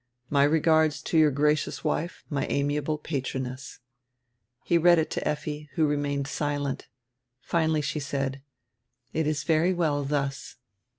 My regards, to your gracious wife, my amiable patroness." He read it to Effi, who remained silent. Finally she said: "It is very well thus."